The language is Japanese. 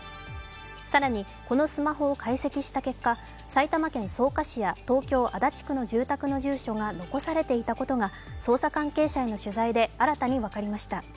更にこのスマホを解析した結果、埼玉県草加市や東京・足立区の住宅の住所が残されていたことが捜査関係者への取材で新たに分かりました。